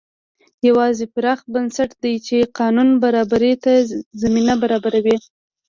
یوازې پراخ بنسټه دي چې قانون برابرۍ ته زمینه برابروي.